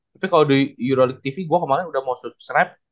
tapi kalau di eurolic tv gue kemarin udah mau srip